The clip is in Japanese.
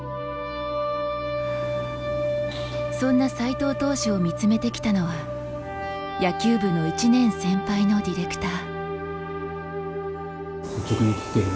そんな斎藤投手を見つめてきたのは野球部の１年先輩のディレクター。